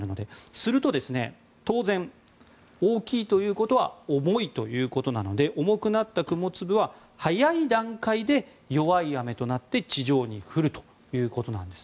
すると、当然大きいということは重いので重くなった雲粒は早い段階で、弱い雨となって地上に降るということなんです。